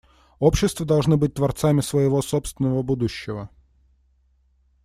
Общества должны быть творцами своего собственного будущего.